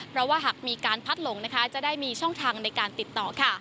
เพราะว่าหากมีการพัดหลงนะคะจะได้มีช่องทางในการติดต่อค่ะ